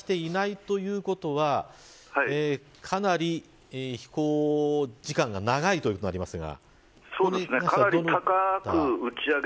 まだ落下していないということはかなり飛行時間が長いということになりますが。